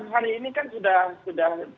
hari ini kan sudah